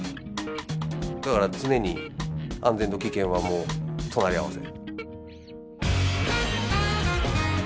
だから常に安全と危険はもう隣り合わせ。